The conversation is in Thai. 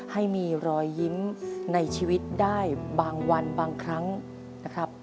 ให้มีรอยยิ้มในชีวิตได้บางวันบางครั้งนะครับ